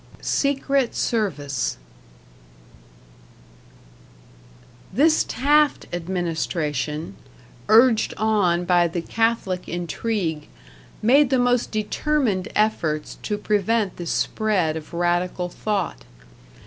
#Secret Service# This Taft administration, urged on by the Catholic intrigue, made the most determined efforts to prevent the spread of radical thought.